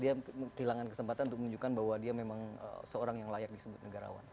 dia kehilangan kesempatan untuk menunjukkan bahwa dia memang seorang yang layak disebut negarawan